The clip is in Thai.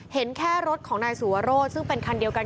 เห็นแค่รถของนายสุวรสซึ่งเป็นคันเดียวกัน